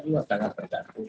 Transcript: juga sangat bergantung